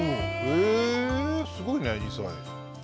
へえすごいね２歳。